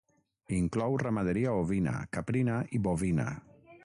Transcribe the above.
Inclou ramaderia ovina, caprina i bovina.